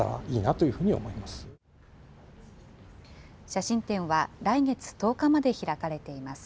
写真展は来月１０日まで開かれています。